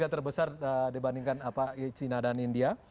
tiga terbesar dibandingkan china dan india